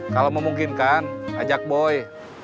kalau memungkinkan ajak boy